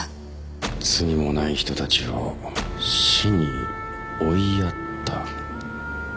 「罪のない人たちを死に追いやった」。